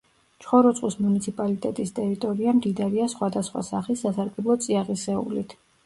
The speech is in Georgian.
ჩხოროწყუს მუნიციპალიტეტის ტერიტორია მდიდარია სხვადასხვა სახის სასარგებლო წიაღისეულით.